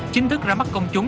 chính thức ra mắt công chúng